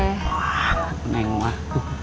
wah neng mah